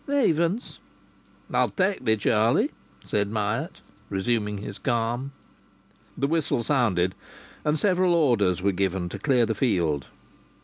"Evens." "I'll take thee, Charlie," said Myatt, resuming his calm. The whistle sounded. And several orders were given to clear the field.